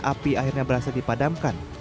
api akhirnya berasa dipadamkan